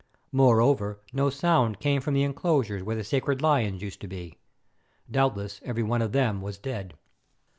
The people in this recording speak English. Moreover, no sound came from the enclosures where the sacred lions used to be. Doubtless every one of them was dead.